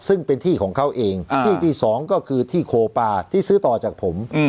ซึ่งเป็นที่ของเขาเองที่ที่สองก็คือที่โคปาที่ซื้อต่อจากผม